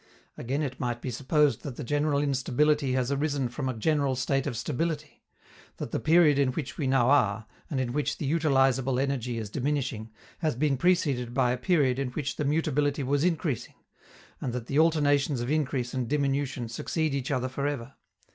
Again it might be supposed that the general instability has arisen from a general state of stability; that the period in which we now are, and in which the utilizable energy is diminishing, has been preceded by a period in which the mutability was increasing, and that the alternations of increase and diminution succeed each other for ever.